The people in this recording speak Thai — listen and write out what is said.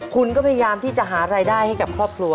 คุณก็พยายามที่จะหารายได้ให้กับครอบครัว